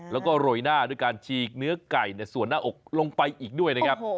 แล้วก็โรยหน้าด้วยการฉีกเนื้อไก่ส่วนหน้าอกลงไปอีกด้วยนะครับ